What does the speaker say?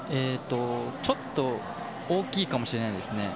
ちょっと大きいかもしれないですね。